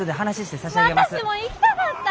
私も行きたかった！